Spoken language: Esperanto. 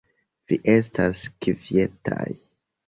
Vi estas kvietaj.